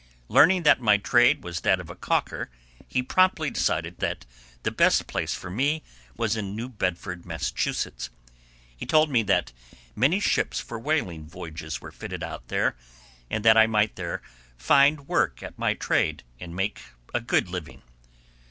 Learning that my trade was that of a calker, he promptly decided that the best place for me was in New Bedford, Mass. He told me that many ships for whaling voyages were fitted out there, and that I might there find work at my trade and make a good living.